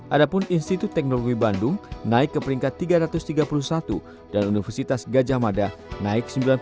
tiga ratus dua puluh lima adapun institut teknologi bandung naik ke peringkat tiga ratus tiga puluh satu dan universitas gajah mada naik sembilan puluh sembilan